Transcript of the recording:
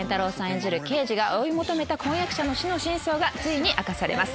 演じる刑事が追い求めた婚約者の死の真相がついに明かされます。